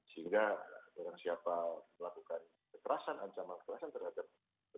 sehingga orang siapa melakukan kekerasan ancaman kekerasan terhadap